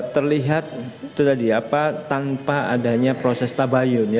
terlihat tanpa adanya proses tabayun